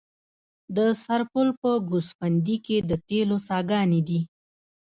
د سرپل په ګوسفندي کې د تیلو څاګانې دي.